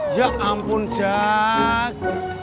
ya ampun jack